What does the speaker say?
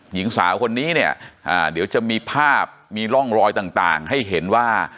หญิงสาวคนนี้เนี่ยเดี๋ยวจะมีภาพมีร่องรอยต่างให้เห็นว่า